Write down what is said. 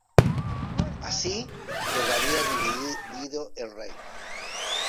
Así quedaría dividido el reino.